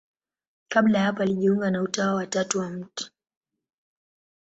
Kabla ya hapo alijiunga na Utawa wa Tatu wa Mt.